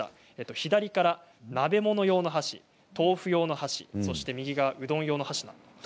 左から鍋物用の箸、豆腐用の箸右側がうどん用の箸。